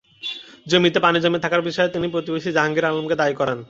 জমিতে পানি জমে থাকার বিষয়ে তিনি প্রতিবেশী জাহাঙ্গীর আলমকে দায়ী করেন।